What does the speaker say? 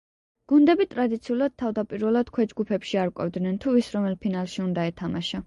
გუნდები ტრადიციულად, თავდაპირველად ქვეჯგუფებში არკვევდნენ თუ ვის რომელ ფინალში უნდა ეთამაშა.